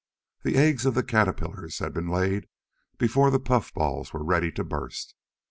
The eggs of the caterpillars had been laid before the puffballs were ready to burst.